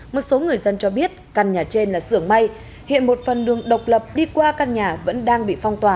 một số người dân cho biết căn nhà trên là sưởng may hiện một phần đường độc lập đi qua căn nhà vẫn đang bị phong tỏa